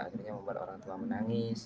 akhirnya membuat orang tua menangis